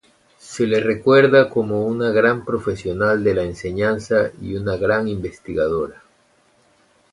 Se le recuerda como una gran profesional de la enseñanza y una gran investigadora.